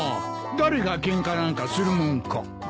誰がケンカなんかするもんか。